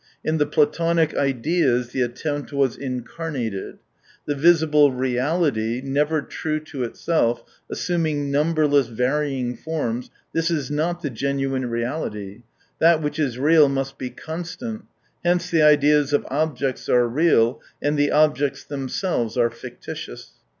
In the Platonic " ideas " the attempt was incar nated. The visible reality, never true to itself, assuming numberless varying forms, this is not the genuine reality. That which is real must be constant. Hence the ideas of objects are real, and the objects them selves are fictitious.